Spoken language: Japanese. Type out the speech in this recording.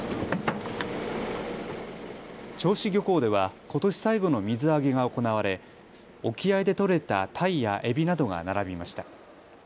銚子漁港では、ことし最後の水揚げが行われ沖合で取れたタイやエビなどが並びました。